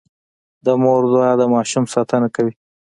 د مور دعا د ماشوم ساتنه کوي.